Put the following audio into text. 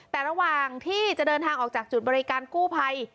แต่ระหว่างที่จะเดินทางออกจากจุดบริการกู้ภัย